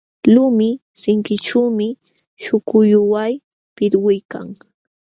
Lumi sinkićhuumi śhukulluway pitwiykan.